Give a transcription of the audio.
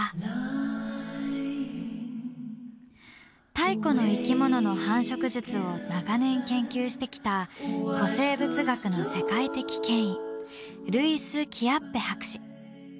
太古の生き物の繁殖術を長年研究してきた古生物学の世界的権威ルイス・キアッペ博士。